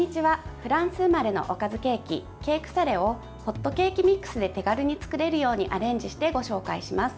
フランス生まれのおかずケーキケークサレをホットケーキミックスで手軽に作れるようにしてアレンジしてご紹介します。